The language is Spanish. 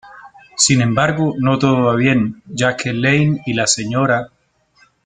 Sin embargo, no todo va bien, ya que Lane y la Sra.